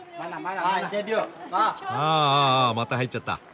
あああまた入っちゃった。